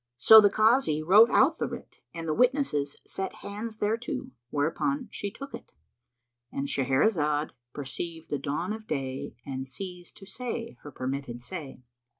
So the Kazi wrote out the writ and the witnesses set hands thereto; whereupon she took it.—And Shahrazad perceived the dawn of day and ceased to say her permitted say.